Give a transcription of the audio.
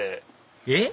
えっ？